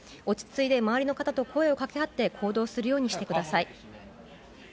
落ち着いて周りの方と声を掛け合って行動するようにしてください。